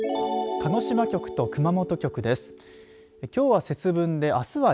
鹿児島局と熊本局です。